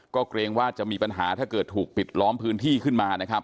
ก็เกรงว่าจะมีปัญหาถ้าเกิดถูกปิดล้อมพื้นที่ขึ้นมานะครับ